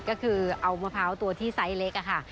ก็คือเอามะพร้าวตัวที่ไซส์เล็กค่ะ